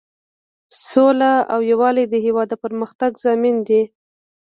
سوله او یووالی د هیواد د پرمختګ ضامن دی.